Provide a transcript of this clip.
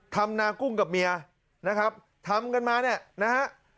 นากุ้งกับเมียนะครับทำกันมาเนี่ยนะฮะ